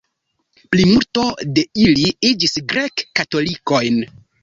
Plimulto de ili iĝis grek-katolikojn.